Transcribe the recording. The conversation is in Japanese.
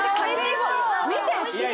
見て！